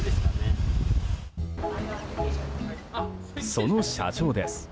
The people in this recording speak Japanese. その社長です。